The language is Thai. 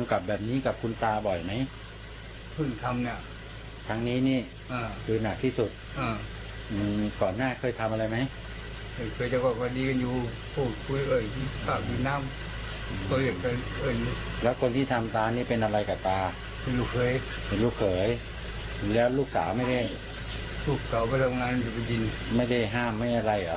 ลูกเขยลูกก่อนไม่ได้ห้ามมั้ยอะไรอ๋อ